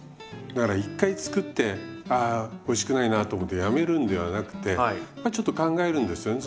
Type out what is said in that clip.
だから１回作って「あおいしくないな」と思ってやめるんではなくてまあちょっと考えるんですよね